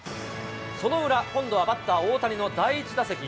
その裏、今度はバッター、大谷の第１打席。